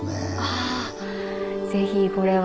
ああ是非これは。